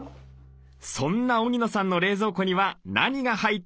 そんな荻野さんの冷蔵庫には何が入っているのでしょうか？